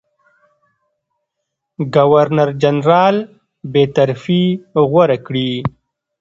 ګورنرجنرال بېطرفي غوره کړي.